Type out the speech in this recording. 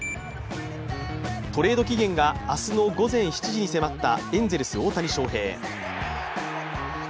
トレード期限が明日の午前７時に迫ったエンゼルス・大谷翔平。